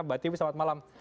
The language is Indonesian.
mbak tiwi selamat malam